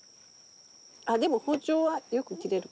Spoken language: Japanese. あっでも包丁はよく切れるから。